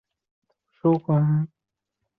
展枝沙参为桔梗科沙参属的植物。